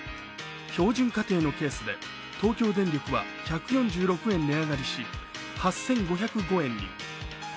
標準家庭のケースで東京電力は１４６円値上がりし８５０５円に。